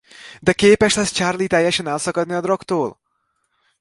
De képes lesz Charlie teljesen elszakadni a drogtól?